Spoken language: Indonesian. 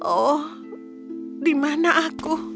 oh di mana aku